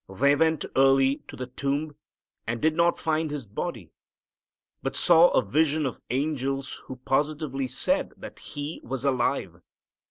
They went early to the tomb, and did not find His body, but saw a vision of angels who positively said that He was alive.